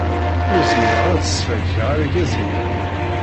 Ur zmireɣ ad sferkeɣ argaz-inna.